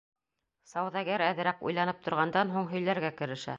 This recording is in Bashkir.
Сауҙагәр әҙерәк уйланып торғандан һуң, һөйләргә керешә: